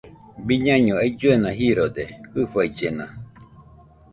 Biñaino ailluena jirode jɨfaillena